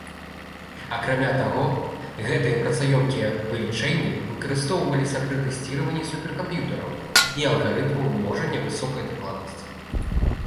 Акрамя таго, гэтыя працаёмкія вылічэнні выкарыстоўваліся пры тэсціраванні суперкамп'ютараў і алгарытмаў множання высокай дакладнасці.